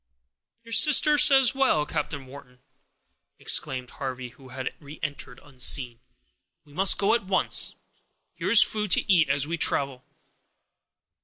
"Your sister says well, Captain Wharton," exclaimed Harvey, who had reentered unseen; "we must go at once. Here is food to eat, as we travel."